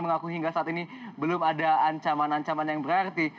mengaku hingga saat ini belum ada ancaman ancaman yang berarti